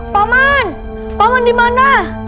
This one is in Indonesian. paman paman dimana